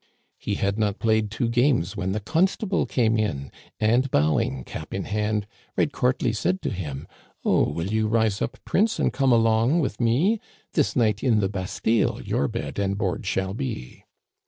" He had not played two games when the constable came in, And bowing, cap in hand, right courtly said to him :* Oh, will you rise up, prince, and come along with me ? This night in the Bastile your bed and board shall be